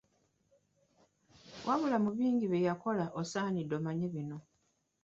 Wabula mu bingi bye yakola, osaanidde omanye bino.